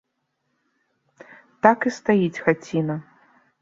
Так і стаіць хаціна.